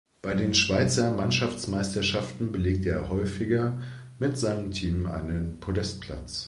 Bei den Schweizer Mannschaftsmeisterschaften belegte er häufiger mit seinem Team einen Podestplatz.